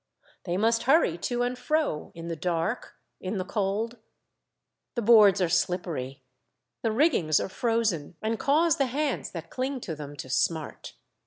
They must hurry to and fro, in the dark, in the cold. The boards are slippery, the riggings are frozen, and cause the hands that cling to them to smart.